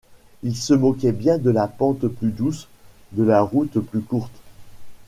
Il se moquait bien de la pente plus douce, de la route plus courte !